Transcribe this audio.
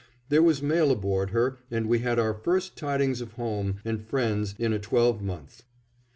There was mail aboard her and we had our first tidings of home and friends in a twelve month.